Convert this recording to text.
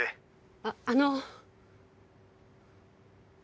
あっあの。